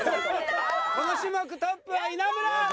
この種目トップは稲村！